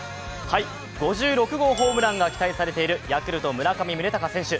５６号ホームランが期待されているヤクルトの村上宗隆選手。